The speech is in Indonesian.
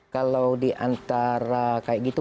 kalau diantara kayak gitu